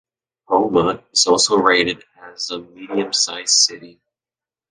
Houma is also rated as a medium size city.